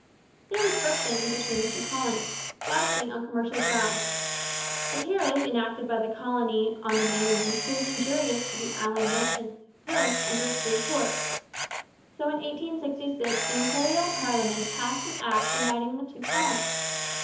There was friction between the two colonies, largely on commercial grounds. A tariff enacted by the colony on the mainland proved injurious to the island merchants who flourished under a free port. So in 1866 the Imperial parliament passed an Act uniting the two colonies.